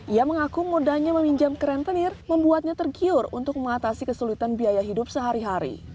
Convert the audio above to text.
ia mengaku mudahnya meminjam ke rentenir membuatnya tergiur untuk mengatasi kesulitan biaya hidup sehari hari